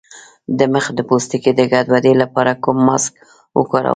د مخ د پوستکي د ګډوډۍ لپاره کوم ماسک وکاروم؟